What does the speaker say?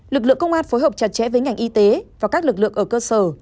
lực lượng công an phối hợp chặt chẽ với ngành y tế và các lực lượng ở cơ sở